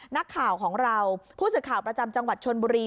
นักข่าวของเราผู้สื่อข่าวประจำจังหวัดชนบุรี